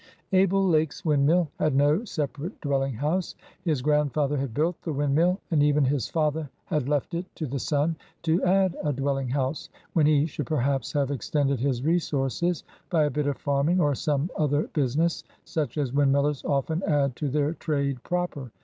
Abel Lake's windmill had no separate dwelling house. His grandfather had built the windmill, and even his father had left it to the son to add a dwelling house, when he should perhaps have extended his resources by a bit of farming or some other business, such as windmillers often add to their trade proper.